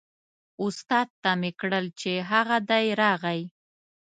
استاد ته مې کړل چې هغه دی راغی.